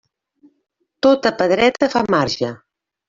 Tota pedreta fa marge.